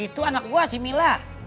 itu anak buah si mila